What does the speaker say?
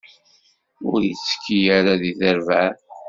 Ur itekki ara deg terbaɛt.